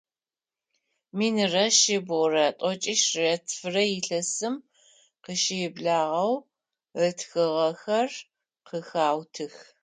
Минрэ шъибгъурэ тӏокӏищрэ тфырэ илъэсым къыщыублагъэу ытхыгъэхэр къыхаутых.